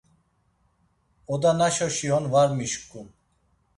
Oda naşoşi on var mişǩun.